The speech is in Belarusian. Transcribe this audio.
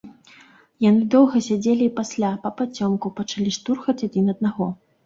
Яны доўга сядзелі і пасля, папацёмку, пачалі штурхаць адзін аднаго.